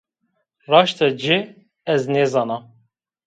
Raşta ci, ez nêzana